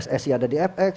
kemudian pssc ada di fx